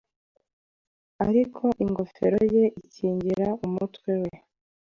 Ariko ingofero ye ikingira umutwe we